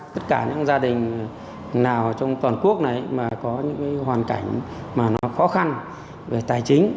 tất cả những gia đình nào trong toàn quốc này mà có những hoàn cảnh mà nó khó khăn về tài chính